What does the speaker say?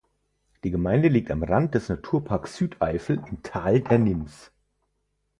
Die Gemeinde liegt am Rand des Naturparks Südeifel im Tal der Nims.